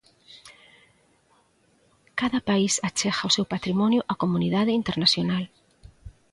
Cada país achega o seu patrimonio á comunidade internacional.